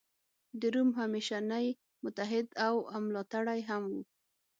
د روم همېشنی متحد او ملاتړی هم و.